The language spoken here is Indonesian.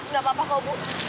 nggak apa apa kok bu